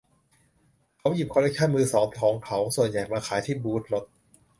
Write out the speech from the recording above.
เขาหยิบคอลเล็กชั่นมือสองของเขาส่วนใหญ่มาขายที่บูทรถ